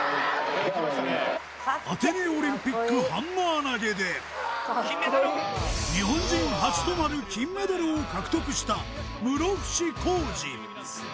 アテネオリンピックハンマー投で日本人初となる金メダルを獲得した室伏広治